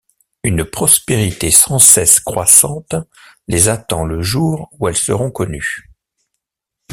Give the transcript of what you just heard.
Une prospérité sans cesse croissante les attend le jour où elles seront connues.